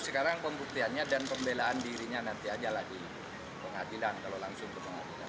sekarang pembuktiannya dan pembelaan dirinya nanti aja lagi pengadilan kalau langsung ke pengadilan